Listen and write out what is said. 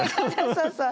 そうそう。